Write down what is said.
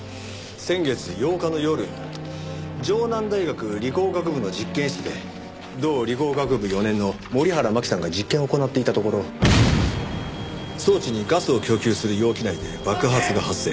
先月８日の夜城南大学理工学部の実験室で同理工学部４年の森原真希さんが実験を行っていたところ装置にガスを供給する容器内で爆発が発生。